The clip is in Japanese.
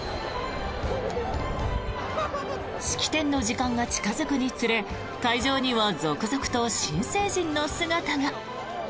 式典の時間が近付くにつれ会場には続々と新成人の姿が。